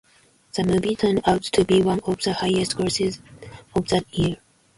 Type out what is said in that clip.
The movie turned out to be one of the highest grossers of that year.